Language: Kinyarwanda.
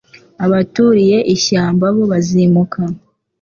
abaturiye ishyamba bo bazimuka